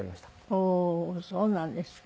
ほうそうなんですか。